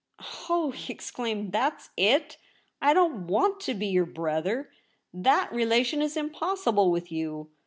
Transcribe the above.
' Oh,' he exclaimed, ' that's it ! I don't want to be your brother ! That relation is impossible with you.